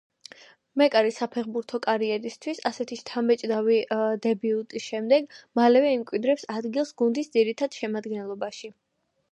მეკარის საფეხბურთო კარიერისთვის ასეთი შთამბეჭდავი დებიუტის შემდეგ მალევე იმკვიდრებს ადგილს გუნდის ძირითად შემადგენლობაში.